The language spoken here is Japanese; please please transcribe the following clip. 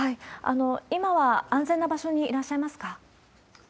今は安全な場所にいらっしゃいますか？